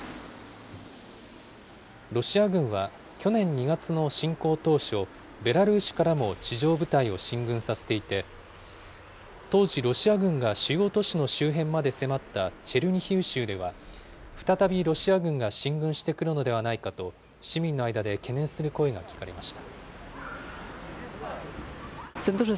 ロシア軍は去年２月の侵攻当初、ベラルーシからも地上部隊を進軍させていて、当時、ロシア軍が主要都市の周辺まで迫ったチェルニヒウ州では、再びロシア軍が進軍してくるのではないかと、市民の間で懸念する声が聞かれました。